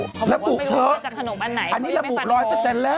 ระบุเถอะอันนี้ระบุร้อยเปอร์เซ็นต์แล้ว